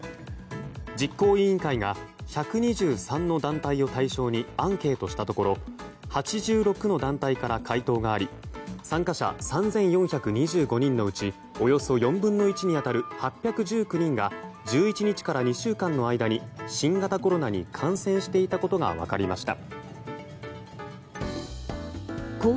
実行委員会が１２３の団体を対象にアンケートしたところ８６の団体から回答があり参加者３４２５人のうちおよそ４分の１に当たる８１９人が１１日から２週間の間に新型コロナに感染していたことが分かりました。